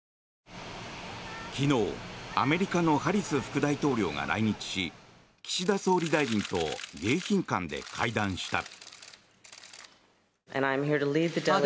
昨日、アメリカのハリス副大統領が来日し岸田総理大臣と迎賓館で会談した。